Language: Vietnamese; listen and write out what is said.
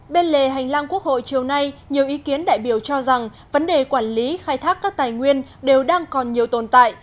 bên lề hành lang quốc hội chiều nay nhiều ý kiến đại biểu cho rằng vấn đề quản lý khai thác các tài nguyên đều đang còn nhiều tồn tại